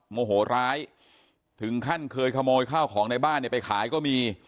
โมโหร้ายถึงขั้นเคยขโมยข้าวของในบ้านเนี่ยไปขายก็มี